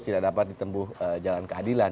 tidak dapat ditempuh jalan keadilan